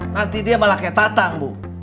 nanti dia malah kayak tatang bu